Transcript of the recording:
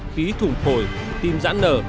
khí thủng phổi tim giãn nở